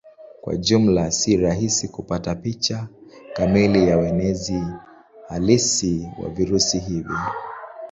Kwa jumla si rahisi kupata picha kamili ya uenezi halisi wa virusi hivi.